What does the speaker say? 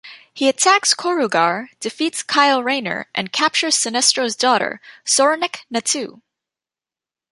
He attacks Korugar, defeats Kyle Rayner and captures Sinestro's daughter, Soranik Natu.